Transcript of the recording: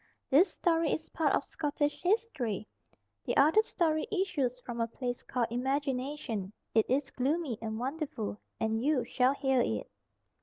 This story is part of Scottish history. The other story issues from a place called Imagination; it is gloomy and wonderful, and you shall hear it.